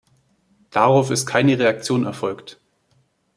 Darauf ist keine Reaktion erfolgt.